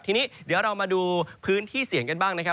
ทีนี้เดี๋ยวเรามาดูพื้นที่เสี่ยงกันบ้างนะครับ